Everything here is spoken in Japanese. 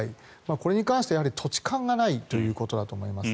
これに関しては土地勘がないということだと思います。